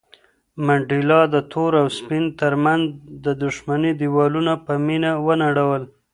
منډېلا د تور او سپین تر منځ د دښمنۍ دېوالونه په مینه ونړول.